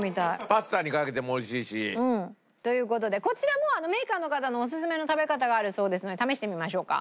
パスタにかけてもおいしいし。という事でこちらもメーカーの方のオススメの食べ方があるそうですので試してみましょうか。